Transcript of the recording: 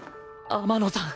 天野さん